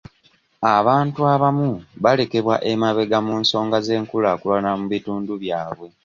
Abantu abamu balekebwa emabega mu nsonga z'enkulaakulana mu bitundu byabwe.